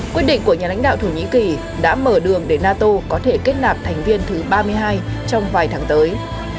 quyết định của nhà lãnh đạo thổ nhĩ kỳ đã mở đường để nato có thể kết nạp thành viên thứ ba mươi hai trong vài tháng tới